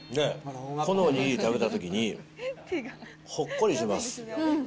このおにぎり食べたときに、ほっこりします。